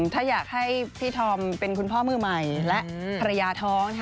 ถ้าอยากให้พี่ธอมเป็นคุณพ่อมือใหม่และภรรยาท้อง